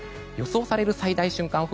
予想される最大瞬間